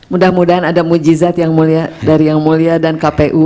mudah mudahan ada mujizat yang mulia dari yang mulia dan kpu